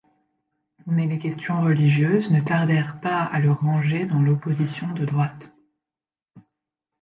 Mais les questions religieuses ne tardèrent pas à le ranger dans l'opposition de droite.